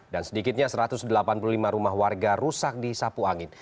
dan sedikitnya satu ratus delapan puluh lima rumah warga rusak di sapu angin